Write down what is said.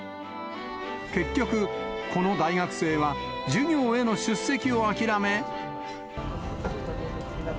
結局、この大学生は、授業への出席を諦め。